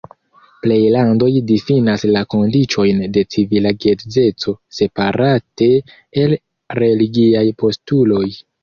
Plej landoj difinas la kondiĉojn de civila geedzeco separate el religiaj postuloj.